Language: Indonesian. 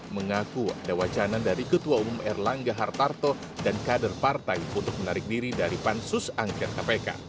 mengaku ada wacana dari ketua umum erlangga hartarto dan kader partai untuk menarik diri dari pansus angket kpk